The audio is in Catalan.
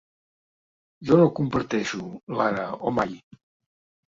“Jo no comparteixo l”ara o mai.